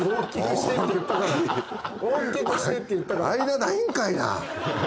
間ないんかいな。